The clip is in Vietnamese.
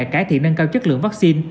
cải thiện nâng cao chất lượng vaccine